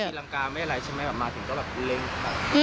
ที่หลังกาไม่อะไรใช่ไหมแบบมาถึงต้นแบบเล็ง